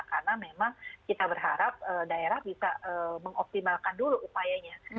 karena memang kita berharap daerah bisa mengoptimalkan dulu upayanya